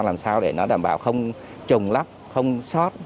làm sao để nó đảm bảo không trùng lắp không xót